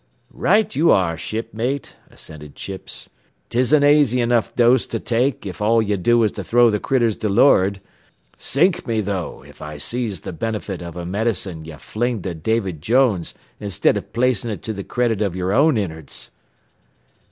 "Right ye are, shipmate," assented Chips; "'tis an aisy enough dose to take if all ye do is to throw th' critters to lor'ard. Sink me, though, if I sees th' benefit av a medicine ye fling to David Jones instead av placin' it to th' credit av yer own innerds."